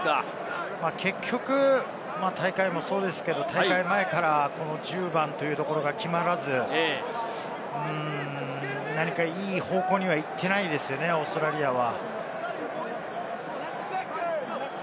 結局、大会もそうですけど、大会前から１０番というところが決まらず、何かいい方向には行っていないですよね、オーストラリアは。